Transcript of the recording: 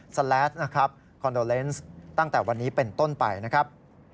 แลสนะครับคอนโดเลนส์ตั้งแต่วันนี้เป็นต้นไปนะครับ